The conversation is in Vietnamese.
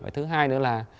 thứ hai nữa là